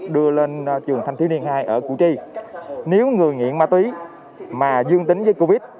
đưa lên trường thanh thiếu niên hai ở củ chi nếu người nghiện ma túy mà dương tính với covid